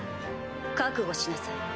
覚悟しなさい。